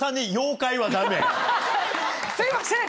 すいません！